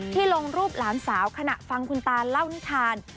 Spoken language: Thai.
ลงรูปหลานสาวขณะฟังคุณตาเล่านิทาน